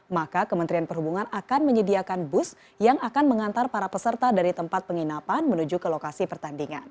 maka kementerian perhubungan akan menyediakan bus yang akan mengantar para peserta dari tempat penginapan menuju ke lokasi pertandingan